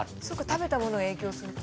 食べたもの影響するとか？